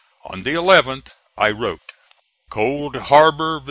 On the 11th I wrote: COLD HARBOR, VA.